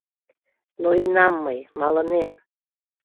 Ноенам мый, малынем.